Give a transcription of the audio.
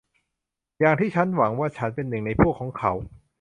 อย่างที่ฉันหวังว่าฉันเป็นหนึ่งในพวกของเขา